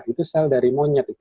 itu sel dari monyet